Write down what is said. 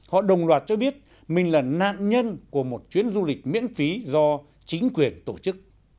họ đồng loạt cho biết mình là nạn nhân của một chuyến du lịch miễn phí do chính quyền tổ chức